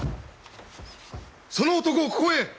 その男をここへ。